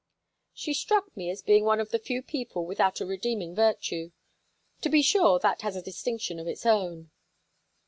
"She struck me as being one of the few people without a redeeming virtue. To be sure that has a distinction of its own."